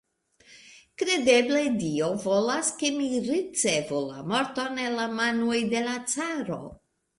Kredeble Dio volas, ke mi ricevu la morton el la manoj de la caro.